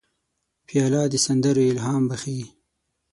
پیاله د سندرو الهام بخښي.